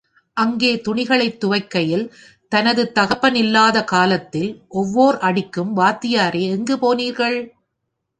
அங்கே துணிகளைத் துவைக்கையில், தனது தகப்பனில்லாத காலத்தில், ஒவ்வோர் அடிக்கும், வாத்தியாரே எங்கு போனீர்கள்?